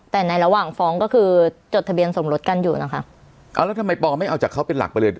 แต่ในระหว่างฟ้องก็คือจดทะเบียนสมรสกันอยู่นะคะเอาแล้วทำไมปอไม่เอาจากเขาเป็นหลักไปเลย